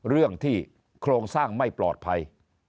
เรื่องที่โครงสร้างไม่ปลอดภัย